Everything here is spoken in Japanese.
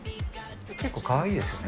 結構かわいいですよね。